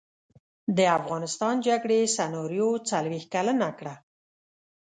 د افغانستان جګړې سناریو څلویښت کلنه کړه.